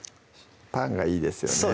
パンがいいですよね